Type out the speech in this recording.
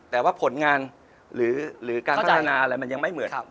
แต่ว่าผลงานหรือการพัฒนาอะไรมันยังไม่เหมือน